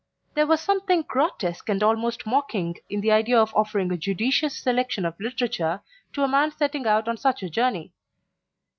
There was something grotesque and almost mocking in the idea of offering a judicious selection of literature to a man setting out on such a journey.